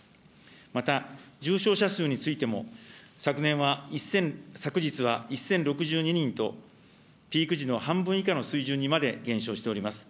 また、重症者数についても、昨年は、昨日は１０６２人と、ピーク時の半分以下の水準にまで減少しております。